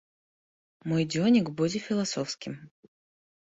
Мой дзённік будзе філасофскім.